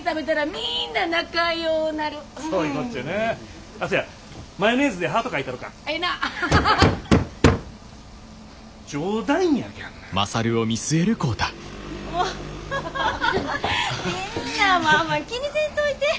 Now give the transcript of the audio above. みんなもあんま気にせんといて。